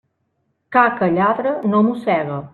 Ca que lladra no mossega.